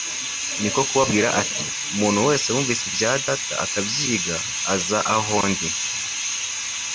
niko kubabwira ati :« Umuntu wese wumvise ibya Data akabyiga aza aho ndi. »